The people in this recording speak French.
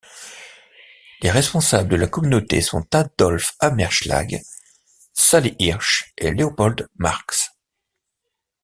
Les responsables de la communauté sont Adolf Hammerschlag, Sally Hirsch et Leopold Marx.